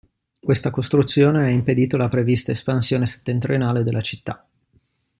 Questa costruzione ha impedito la prevista espansione settentrionale della città.